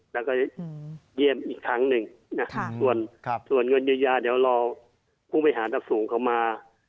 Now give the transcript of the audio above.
แล้วก็เยี่ยมอีกครั้งหนึ่งส่วนเงินเยียวยาเดี๋ยวรอผู้บริหารดับสูงเข้ามา